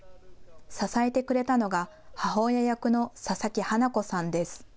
支えてくれたのが母親役の佐々木英子さんです。